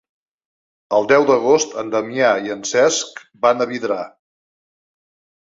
El deu d'agost en Damià i en Cesc van a Vidrà.